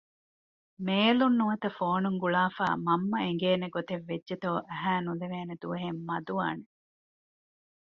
މޭލުން ނުވަތަ ފޯނުން ގުޅާފައި މަންމަ އެނގޭނެ ގޮތެއް ވެއްޖެތޯ އަހައިނުލެވޭ ދުވަހެއް މަދުވާނެ